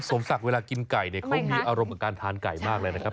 สมศักดิ์เวลากินไก่เนี่ยเขามีอารมณ์กับการทานไก่มากเลยนะครับ